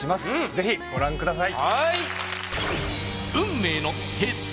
ぜひご覧ください